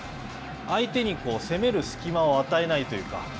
相手に攻める隙間を与えないというか。